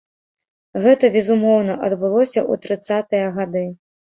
Гэта, безумоўна, адбылося ў трыццатыя гады.